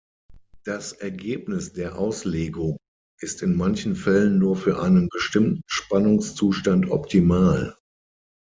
Das Ergebnis der Auslegung ist in manchen Fällen nur für einen bestimmten Spannungszustand optimal.